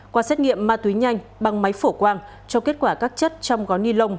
qua xét nghiệm ma túy nhanh bằng máy phổ quang cho kết quả các chất trong gói ni lông